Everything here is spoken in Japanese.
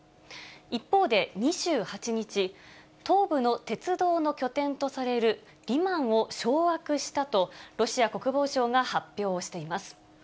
一方で２８日、東部の鉄道の拠点とされるリマンを掌握したと、ロシア国防省が発表しています。